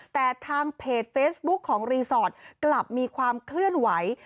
แต่ทางเพจเฟซบุ๊คของรีสอร์ทกลับมีความเคลื่อนไหว